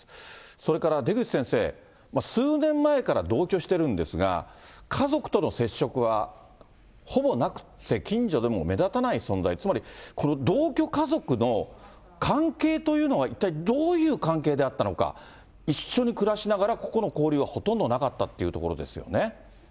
それから出口先生、数年前から同居してるんですが、家族との接触はほぼなくって、近所でも目立たない存在、つまり同居家族の関係というのは、一体どういう関係であったのか、一緒に暮らしながら、ここの交流はほとんどなかったっていうところですよね。